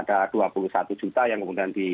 ada dua puluh satu juta yang kemudian di